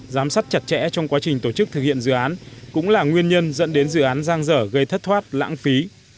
giám sát chặt chẽ trong quá trình tổ chức thực hiện dự án cũng là nguyên nhân dẫn đến dự án giang dở gây thất thoát lãng phí